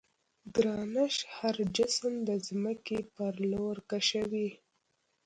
ګرانش هر جسم د ځمکې پر لور کشوي.